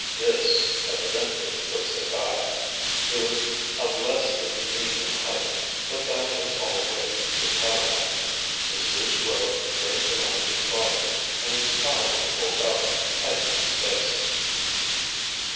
This, evidently, was their guide. He was of less than medium height, but that was all Rick could tell about him. His loose robe draped around his body and his cowl was pulled up, hiding his face.